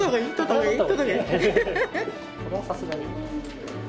これはさすがに。